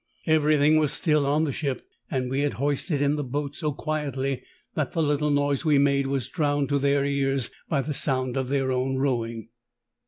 Everything was still on the ship, and we had hoisted in the boat so quietly that the little noise we made was drowned to their ears by the sound of their own rowing.